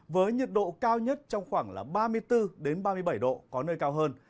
với nhiệt độ cao nhất trong khoảng ba mươi bốn ba mươi bảy độ có nơi cao hơn